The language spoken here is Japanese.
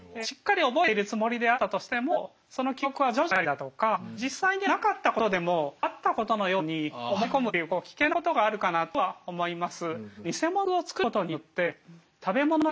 しっかり覚えているつもりであったとしてもその記憶は徐々に薄れてきたりだとか実際にはなかったことでもあったことのように思い込むという危険なことがあるかなとは思います。